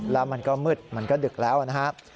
แล้วมันก็มืดมันก็ดึกแล้วนะครับ